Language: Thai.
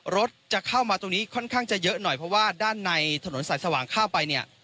รถจะเข้ามาตรงนี้ค่อนข้างจะเยอะหน่อยเพราะว่าด้านในถนนสายสว่างเข้าไปเนี่ย